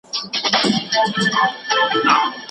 د غنمو ریبل په ګرمه هوا کې ستونزمن کار دی.